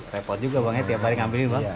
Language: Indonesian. repot juga bang ya tiap hari ngambilin bang